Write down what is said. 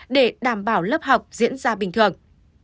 để đảm bảo lớp học diễn ra bình thường